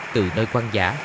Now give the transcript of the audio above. từ nơi quang giả